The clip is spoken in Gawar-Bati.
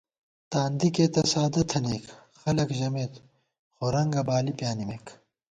تاندِکےتہ سادہ تھنَئیک، خلَک ژَمېت، خو رنگہ بالی پیانِمېک